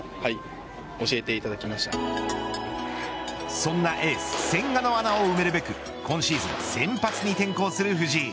そんなエース千賀の穴を埋めるべく今シーズン先発に転向する藤井。